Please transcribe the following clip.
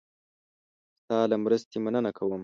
ستا له مرستې مننه کوم.